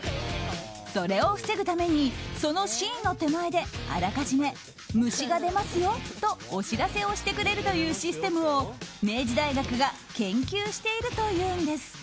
それを防ぐためにそのシーンの手前であらかじめ虫が出ますよとお知らせをしてくれるというシステムを明治大学が研究しているというんです。